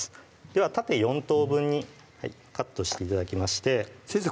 では縦４等分にカットして頂きまして先生